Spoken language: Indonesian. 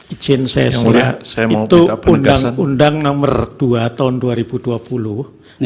izin saya itu undang undang nomor dua tahun dua ribu dua puluh